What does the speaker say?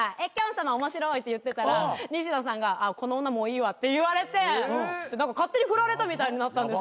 さま面白いって言ってたら西野さんがこの女もういいわって言われて勝手に振られたみたいになったんですよ。